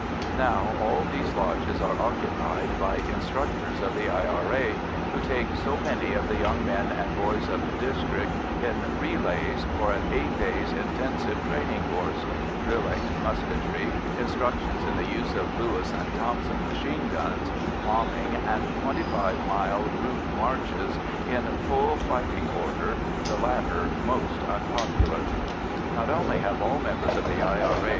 Now all these lodges are occupied by instructors of the I.R.A., who take so many of the young men and boys of the district in relays for an eight days' intensive training course—drilling, musketry, instruction in the use of Lewis and Thompson machine guns, bombing, and twenty five mile route marches in full fighting order, the latter most unpopular. Not only have all old members of the I.R.A.